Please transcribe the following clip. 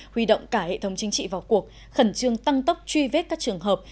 huy động cả hệ thống chính trị vào cuộc khẩn trương tăng tốc truy vết các trường hợp